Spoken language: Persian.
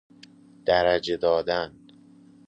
درجه دادن